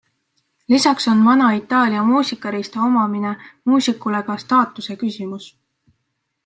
Lisaks on vana Itaalia muusikariista omamine muusikule ka staatuse küsimus.